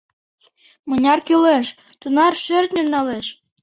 Мыняр кӱлеш, тунар шӧртньым налеш.